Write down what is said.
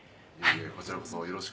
こちらこそよろしく。